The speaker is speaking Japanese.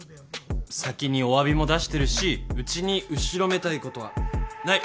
先におわびも出してるしうちに後ろめたいことはない。